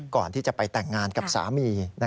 ก่อนที่จะไปแต่งงานกับสามี